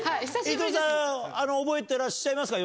伊藤さん、覚えてらっしゃいますか？